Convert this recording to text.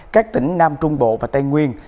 các tỉnh nam trung bộ và tây nguyên